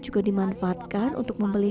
juga dimanfaatkan untuk membeli